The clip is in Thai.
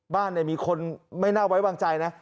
บ้านนั้นมีคนไม่น่าไว้วางใจนะ